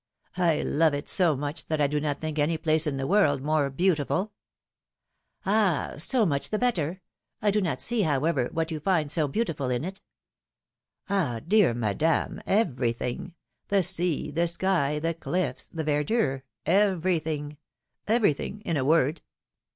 I love it so much, that I do not think any place in the world more beautiful ! ^^Ah ! so much the better ! I do not see, however, what you find so beautiful in it ! PHILOM|]NE's marriages. 221 ! dear Madame, everything. The sea, the sky, the cliflFs, the verdure, everything — everything, in a word